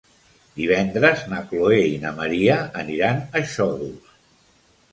Divendres na Chloé i na Maria aniran a Xodos.